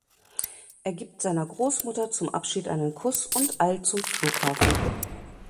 Er gibt seiner Großmutter zum Abschied einen Kuss und eilt zum Flughafen.